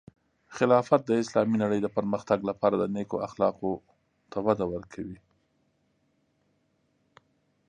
خلافت د اسلامی نړۍ د پرمختګ لپاره د نیکو اخلاقو وده ورکوي.